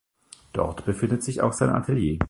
Dort befindet sich auch sein Atelier.